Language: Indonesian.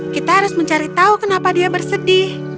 kita harus mencari tahu kenapa dia bersedih